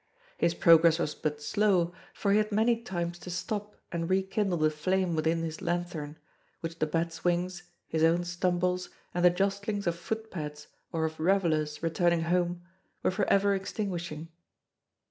His progress was but slow, for he had many times to stop and rekindle the flame within his lanthorn, which the bats' wings, his own stumbles, and the jostlings of footpads or of revellers returning home, were for ever extinguishing.